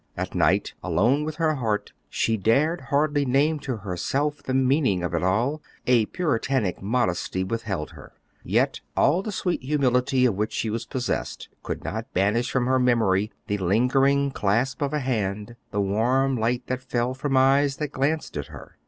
At night, alone with her heart, she dared hardly name to herself the meaning of it all, a puritanic modesty withheld her. Yet all the sweet humility of which she was possessed could not banish from her memory the lingering clasp of a hand, the warm light that fell from eyes that glanced at her.